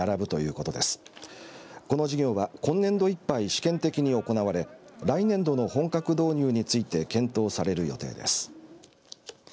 この事業は今年度いっぱい試験的に行われ来年度の本格導入について検討される予定です。